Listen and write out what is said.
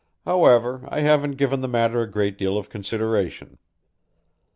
However, I haven't given the matter a great deal of consideration.